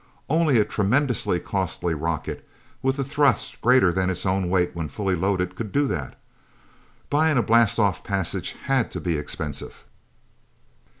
Only a tremendously costly rocket, with a thrust greater than its own weight when fully loaded, could do that. Buying a blastoff passage had to be expensive.